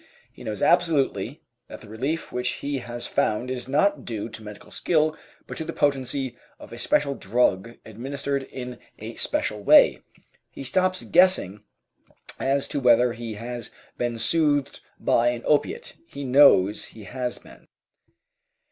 He knows absolutely that the relief which he has found is not due to medical skill, but to the potency of a special drug administered in a special way. He stops guessing as to whether he has been soothed by an opiate; he knows he has been.